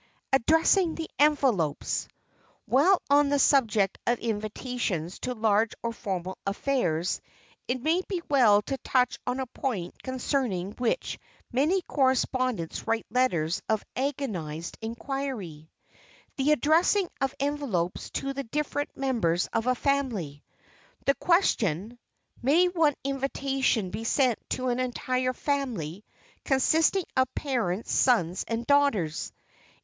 [Sidenote: ADDRESSING THE ENVELOPES] While on the subject of invitations to large or formal affairs, it may be well to touch on a point concerning which many correspondents write letters of agonized inquiry,—the addressing of envelopes to the different members of a family. The question, "May one invitation be sent to an entire family, consisting of parents, sons and daughters?"